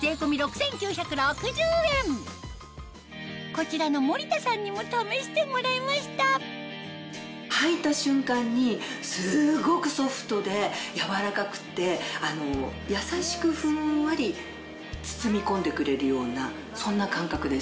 こちらの森田さんにも試してもらいましたはいた瞬間にすごくソフトで柔らかくて優しくふんわり包み込んでくれるようなそんな感覚でした。